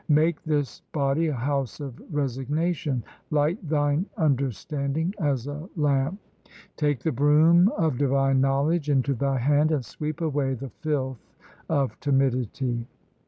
Make this body a house of resignation ; light thine under standing as a lamp ; Take the broom of divine knowledge into thy hand, and sweep away the filth of timidity.